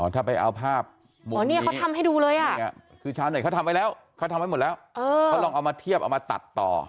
ถ้าไปเอาภาพหมดเขาทำให้ดูเลยคือชาวเน็ตเขาทำไว้แล้วเขาทำไว้หมดแล้วเขาลองเอามาเทียบเอามาตัดต่อ